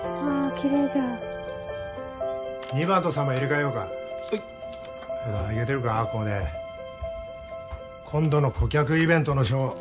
きれいじゃ２番と３番入れ替えようかはいっどうだいけてるかこれで今度の顧客イベントのショー